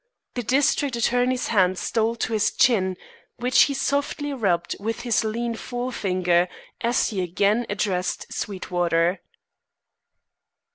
The district attorney's hand stole to his chin, which he softly rubbed with his lean forefinger as he again addressed Sweetwater.